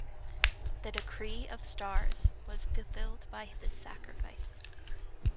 The decree of the stars was fulfilled by this sacrifice.